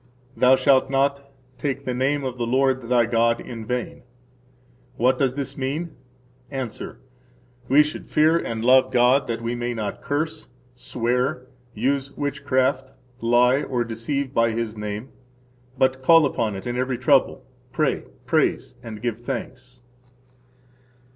Thou shalt not take the name of the Lord, thy God, in vain. What does this mean? –Answer: We should fear and love God that we may not curse, swear, use witchcraft, lie, or deceive by His name, but call upon it in every trouble, pray, praise, and give thanks.